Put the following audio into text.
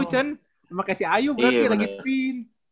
sama kayak si ayu berarti lagi spin